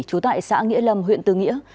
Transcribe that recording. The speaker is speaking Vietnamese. trú tại xã nghĩa lâm huyện tư nghĩa